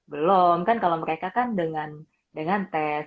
belum kan kalau mereka kan dengan tes